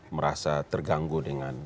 merasa terganggu dengan